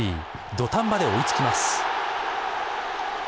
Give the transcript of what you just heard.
土壇場で追いつきます。